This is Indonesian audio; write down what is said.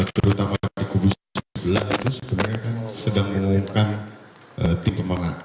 terutama di kubus sebelah itu sebenarnya kan sedang menunjukkan tipe pangan